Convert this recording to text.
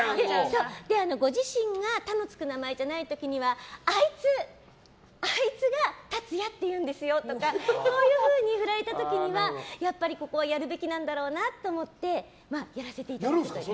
ご自身が「た」のつく名前じゃない時はあいつタツヤっていうんですよとかそういうふうに振られた時にはやっぱりここはやるべきなんだろうなと思ってやらせていただいて。